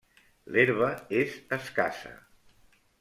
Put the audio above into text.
L'herba és escassa.